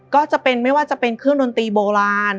ก็จะเป็นไม่ว่าจะเป็นเครื่องดนตรีโบราณ